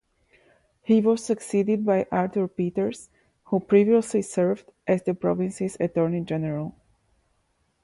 He was succeeded by Arthur Peters, who previously served as the province's Attorney General.